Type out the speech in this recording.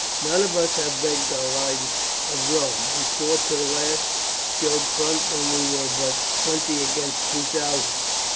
"None of us have begged our lives of Rome. We fought to the last, and showed front when we were but twenty against two thousand.